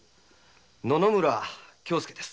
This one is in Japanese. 野々村恭介です。